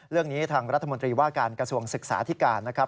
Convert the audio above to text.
เรื่องนี้ทางรัฐมนตรีว่าการกระทรวงศึกษาที่การนะครับ